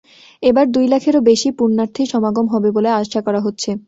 এবার দুই লাখেরও বেশি পুণ্যার্থীর সমাগম হবে বলে আশা করা হচ্ছে।